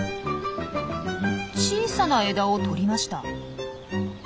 小さな枝をとりました。